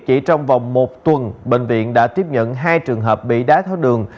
chỉ trong vòng một tuần bệnh viện đã tiếp nhận hai trường hợp bị đá tháo đường